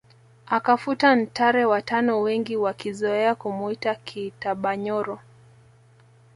Akafuta Ntare wa tano wengi wakizoea kumuita Kiitabanyoro